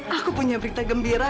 aku punya berita gembira